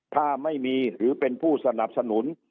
ถ้าไม่มีหรือเป็นผู้สนับสนุน